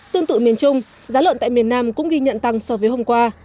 tương tự miền trung giá lợn tại miền nam cũng ghi nhận tăng so với hôm qua